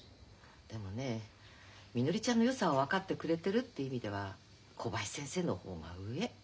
でもねえみのりちゃんのよさを分かってくれてるって意味では小林先生の方が上。